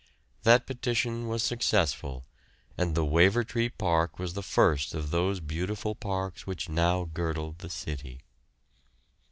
That petition was successful, and the Wavertree Park was the first of those beautiful parks which now girdle the city.